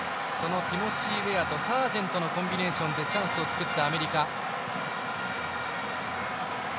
そのティモシー・ウェアとサージェントのコンビネーションでチャンスを作ったアメリカ。